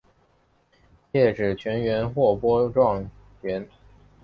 叶纸全缘或波状缘。